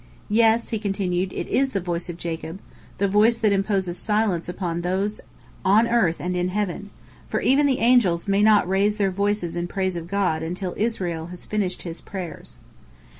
"Yes," he continued, "it is the voice of Jacob, the voice that imposes silence upon those on earth and in heaven," for even the angels may not raise their voices in praise of God until Israel has finished his prayers.